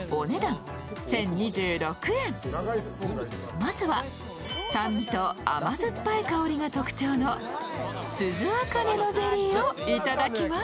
まずは酸味と甘酸っぱい香りが特徴のすずあかねのゼリーを頂きます。